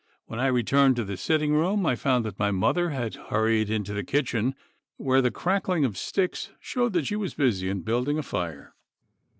When I returned to the sitting room I found that my mother had hurried into the kitchen, where the crackling of sticks showed that she was busy in building a fire.